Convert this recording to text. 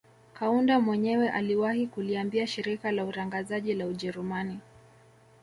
Kaunda mwenyewe aliwahi kuliambia shirika la utangazaji la Ujerumani